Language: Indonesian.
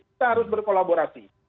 kita harus berkolaborasi